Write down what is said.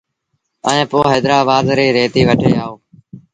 ائيٚݩ پو هيدرآبآد ريٚ ريتيٚ وٺي آئو۔